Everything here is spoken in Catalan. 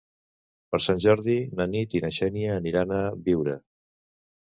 Per Sant Jordi na Nit i na Xènia aniran a Biure.